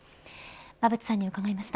馬渕さんに伺いました。